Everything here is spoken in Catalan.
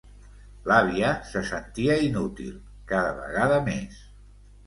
L'àvia se sentia inútil, cada vegada més.